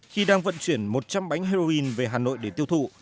khi đang vận chuyển một trăm linh bánh heroin về hà nội để tiêu thụ